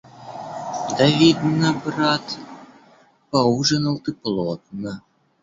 Да, видно, брат, поужинал ты плотно.